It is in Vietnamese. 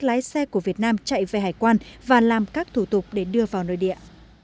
lái xe của việt nam chạy về hải quan và làm các thủ tục để đưa vào nơi địa